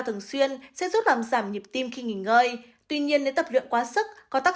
thường xuyên sẽ giúp làm giảm nhịp tim khi nghỉ ngơi tuy nhiên nếu tập luyện quá sức có tác